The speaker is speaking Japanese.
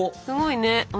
すごいね。